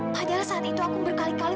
hanya saat itu aku berkali kali